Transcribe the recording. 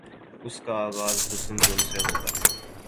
اس کا آغاز حسن ظن سے ہو گا۔